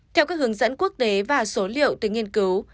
theo các hướng dẫn quốc tế và số liệu từ nghiên cứu